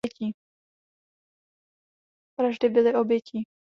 Vraždy byly obětí.